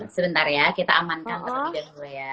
sebentar ya kita amankan